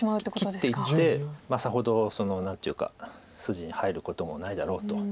切っていってさほど筋に入ることもないだろうと。